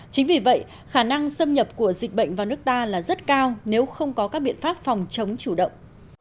chính vì vậy khả năng xâm nhập của dịch bệnh vào nước ta là rất cao nếu không có các biện pháp phòng chống chủ động